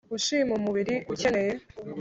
ushima mubiri ukeye